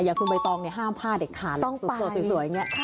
อย่างคุณใบตองห้ามผ้าเด็กขาดสวยอย่างนี้